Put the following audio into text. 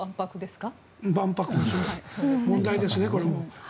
万博、問題ですねこれも。